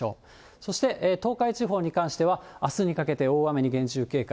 そして東海地方に関しては、あすにかけて大雨に厳重警戒。